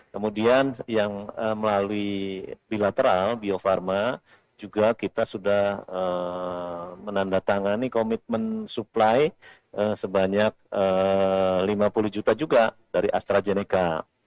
kemudian yang melalui bilateral bio farma juga kita sudah menandatangani komitmen supply sebanyak lima puluh juta juga dari astrazeneca